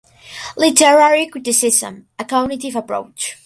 Literary Criticism: A Cognitive Approach.